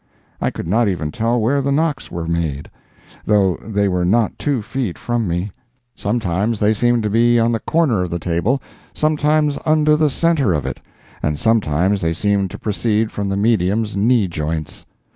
I could not even tell where the knocks were made, though they were not two feet from me. Sometimes they seemed to be on the corner of the table, sometimes under the center of it, and sometimes they seemed to proceed from the medium's knee joints.